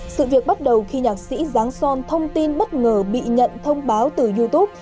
sự việc bắt đầu khi nhạc sĩ giáng son thông tin bất ngờ bị nhận thông báo từ youtube